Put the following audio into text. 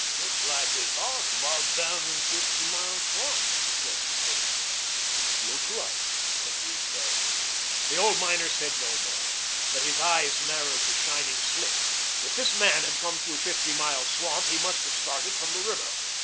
"Looks like his hawss bogged down in Fifty Mile Swamp," suggested Holt. "Looks like," agreed Dud. The old miner said no more. But his eyes narrowed to shining slits. If this man had come through Fifty Mile Swamp he must have started from the river.